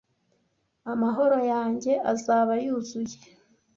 amahoro yanjye azaba yuzuye